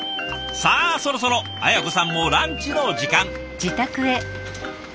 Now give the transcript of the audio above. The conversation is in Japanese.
さあそろそろ綾子さんもランチの時間。